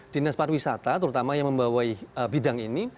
dinas pariwisata terutama yang membawai bidang ini